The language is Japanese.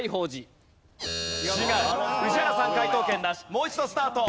もう一度スタート。